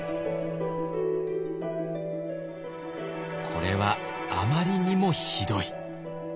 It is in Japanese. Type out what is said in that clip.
これはあまりにもひどい。